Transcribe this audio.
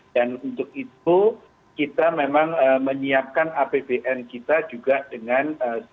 dan untuk itu kita memang menyiapkan apbn kita juga dengan